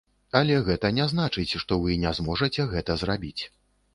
Але гэта не значыць, што вы не зможаце гэта зрабіць.